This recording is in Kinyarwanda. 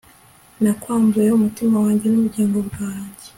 nakwambuye umutima wanjye n'ubugingo bwanjye